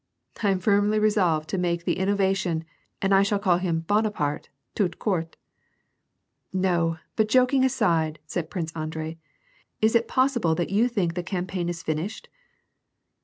I am firmly resolved to make the innovation, and I shall call him Bonaparte tout cotirt,^^ " No, but joking aside," said Prince Andrei, " Is it possible that you think the campaign is finished